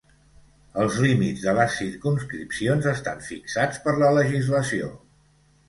Els límits de les circumscripcions estan fixats per la legislació.